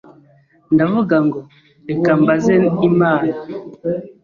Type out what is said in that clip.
Ndavuga ngo reka mbaze Imana.